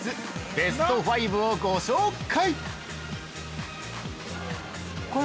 ベスト５をご紹介。